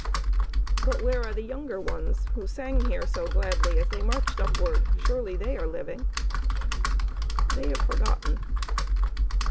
"But where are the younger ones who sang here so gladly as they marched upward? Surely they, are living?" "They have forgotten."